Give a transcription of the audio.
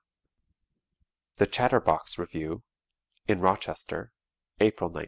"The Chatterbox Revue" in Rochester (April, 1925).